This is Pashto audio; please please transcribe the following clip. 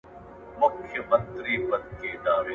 که زه پيسې ولرم، له بېوزلو سره به مرسته وکړم.